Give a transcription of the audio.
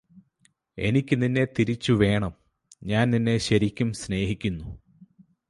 എനിക്ക് നിന്നെ തിരിച്ചു വേണം ഞാന് നിന്നെ ശരിക്കും സ്നേഹിക്കുന്നു